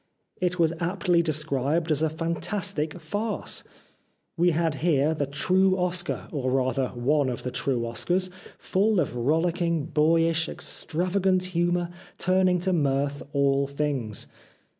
It was aptly described as a " fantastic farce." We had here the true Oscar, or rather one of the true Oscars, full of rollicking, boyish, extravagant humour, turning to mirth all things.